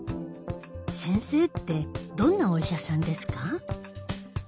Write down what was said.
先生ってどんなお医者さんですか？